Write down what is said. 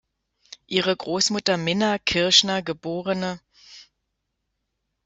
Ihre Großmutter Minna Kirschner geb.